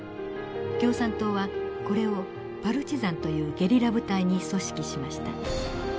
共産党はこれをパルチザンというゲリラ部隊に組織しました。